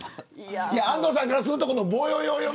安藤さんからするとぼよよ